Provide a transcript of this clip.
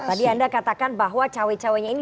tadi anda katakan bahwa cowok cowoknya ini